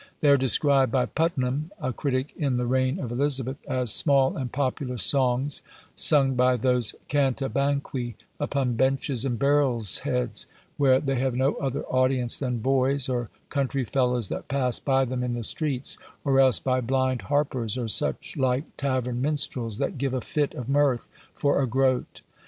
They are described by Puttenham, a critic in the reign of Elizabeth, as "small and popular songs sung by those Cantabanqui, upon benches and barrels' heads, where they have no other audience than boys, or country fellows that pass by them in the streets; or else by blind harpers, or such like tavern minstrels, that give a fit of mirth for a groat."